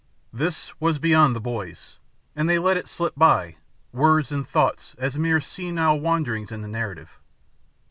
This was beyond the boys, and they let it slip by, words and thoughts, as a mere senile wandering in the narrative.